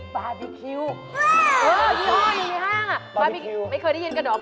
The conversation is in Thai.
บาร์บีคิวไม่เคยได้ยินกันหรอก